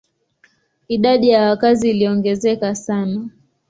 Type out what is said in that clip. Idadi ya wakazi iliongezeka sana.